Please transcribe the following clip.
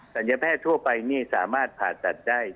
ศัลยแพทย์ทั่วไปนี่สามารถผ่าตัดได้